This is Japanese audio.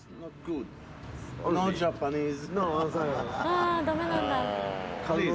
ああダメなんだ。